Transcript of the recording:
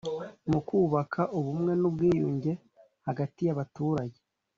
mu kubaka ubumwe n'ubwiyunge hagati y'abaturage